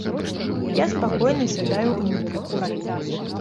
Я спакойна сядаю ў метро.